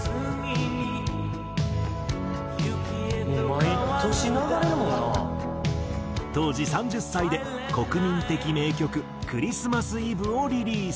「毎年流れるもんな」当時３０歳で国民的名曲『クリスマス・イブ』をリリース。